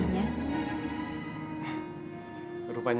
merupanya kita punya seorang kakaknya